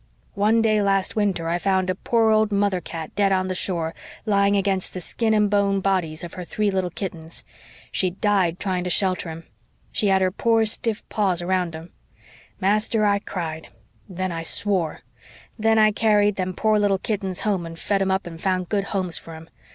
One day last winter I found a poor old mother cat dead on the shore, lying against the skin and bone bodies of her three little kittens. She'd died trying to shelter 'em. She had her poor stiff paws around 'em. Master, I cried. Then I swore. Then I carried them poor little kittens home and fed 'em up and found good homes for 'em.